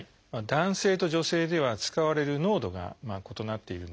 男性と女性では使われる濃度が異なっているんですね。